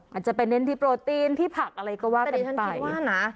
อาจจะไปเน้นที่โปรตีนที่ผักอะไรก็ว่ากันไป